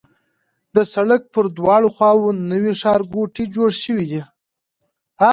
د سړک پر دواړو خواوو نوي ښارګوټي جوړ شوي دي.